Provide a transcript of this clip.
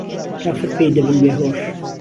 کافر پێی دهبن بێ هۆش